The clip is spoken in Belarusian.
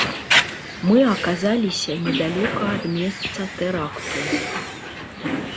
Мы аказаліся недалёка ад месца тэракту.